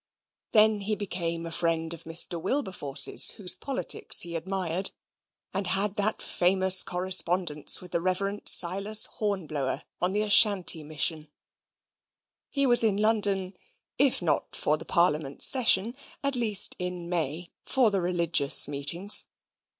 Then he became a friend of Mr. Wilberforce's, whose politics he admired, and had that famous correspondence with the Reverend Silas Hornblower, on the Ashantee Mission. He was in London, if not for the Parliament session, at least in May, for the religious meetings.